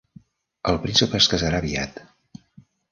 El príncep es casarà aviat.